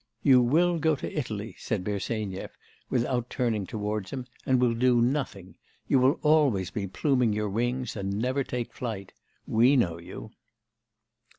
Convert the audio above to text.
'You will go to Italy,' said Bersenyev, without turning towards him, 'and will do nothing. You will always be pluming your wings and never take flight. We know you!